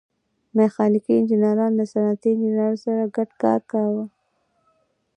میخانیکي انجینران له صنعتي انجینرانو سره ګډ کار کوي.